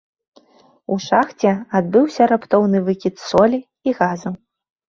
У шахце адбыўся раптоўны выкід солі і газу.